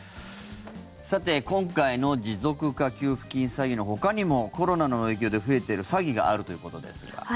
今回の持続化給付金詐欺のほかにもコロナの影響で増えている詐欺があるということですが。